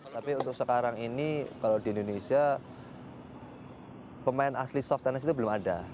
tapi untuk sekarang ini kalau di indonesia pemain asli soft tennis itu belum ada